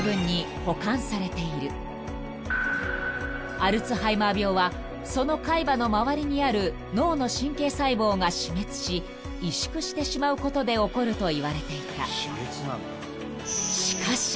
［アルツハイマー病はその海馬の周りにある脳の神経細胞が死滅し萎縮してしまうことで起こるといわれていた］